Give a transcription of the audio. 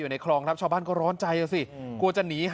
ปิดตามัน